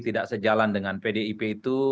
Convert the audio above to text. tidak sejalan dengan pdip itu